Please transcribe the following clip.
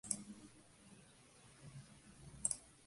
El Comisario Residente General.